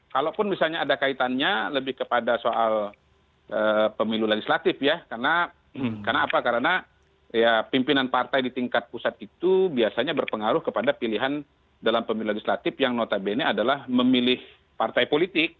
kalaupun misalnya ada kaitannya lebih kepada soal pemilu legislatif ya karena apa karena pimpinan partai di tingkat pusat itu biasanya berpengaruh kepada pilihan dalam pemilih legislatif yang notabene adalah memilih partai politik